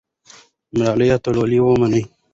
د ملالۍ اتلولي ومنه.